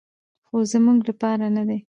خو زموږ لپاره نه و.